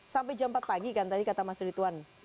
sampai jam empat pagi kan tadi kata mas rituan